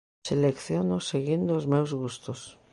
Selecciono seguindo os meus gustos.